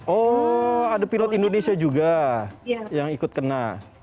oh ada pilot indonesia juga yang ikut kena